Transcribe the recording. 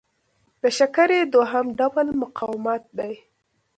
د شکرې دوهم ډول مقاومت دی.